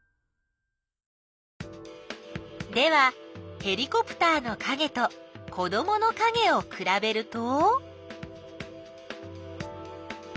ではヘリコプターのかげと子どものかげをくらべると？